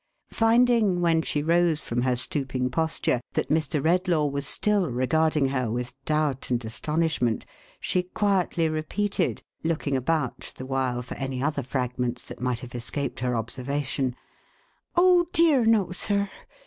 Finding, when she rose from her stooping posture, that Mr. Redlaw was still regarding her with doubt and astonish ment, she quietly repeated — looking about the while, for any other fragments that might have escaped her observation :" Oh dear no, sir